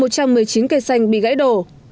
một trăm một mươi chín cây xanh bị gãy đổ